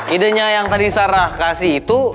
idenya yang tadi sarah kasih itu